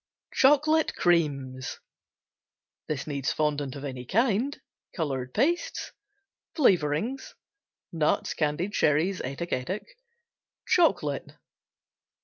Chocolate Creams Fondant of any kind. Color pastes. Flavorings. Nuts, candied cherries, etc., etc. Chocolate.